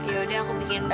ya udah aku bikin